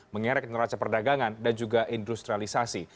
mengerek neraca perdagangan dan juga industrialisasi